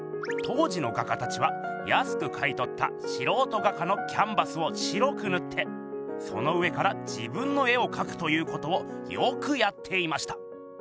当時の画家たちはやすく買いとったしろうと画家のキャンバスを白くぬってその上から自分の絵をかくということをよくやっていました。